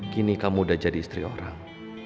kini kamu udah jadi istri orang